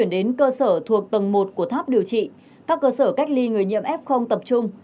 đến cơ sở thuộc tầng một của tháp điều trị các cơ sở cách ly người nhiễm f tập trung